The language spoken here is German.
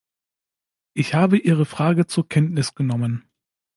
Ich habe Ihre Frage zur Kenntnis genommen.